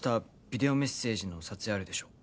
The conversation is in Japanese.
ビデオメッセージの撮影あるでしょ